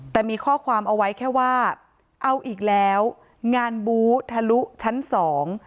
แต่มีข้อความเอาไว้แค่ว่าเอาอีกแล้วงานบู๊ทะลุชั้นสอง